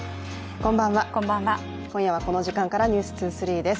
こんばんは、今夜はこの時間から「ｎｅｗｓ２３」です。